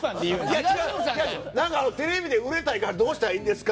何か、テレビで売れたいからどうしたらいいですか？